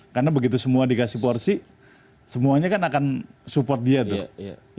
karena begitu semua dikasih porsi semuanya kan akan support dia tuh